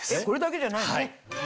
これだけじゃないの？